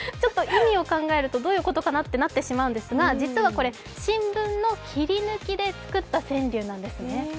意味を考えるとどういうことかなってなってしまいますが実はこれ新聞の切り抜きで作った川柳なんですね。